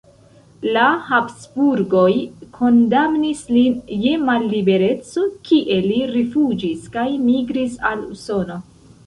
La Habsburgoj kondamnis lin je mallibereco, kie li rifuĝis kaj migris al Usono.